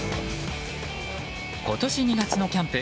今年２月のキャンプ。